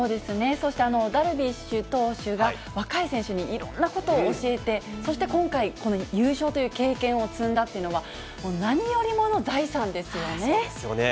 そしてダルビッシュ投手が、若い選手にいろんなことを教えて、そして今回、この優勝という経験を積んだっていうのは、そうですよね。